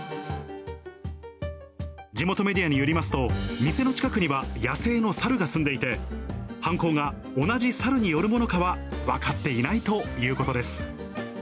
地元メディアによりますと、店の近くには野生の猿が住んでいて、犯行が同じ猿によるものかは分かっていないということです。